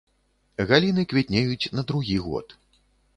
Галіны квітнеюць на другі год.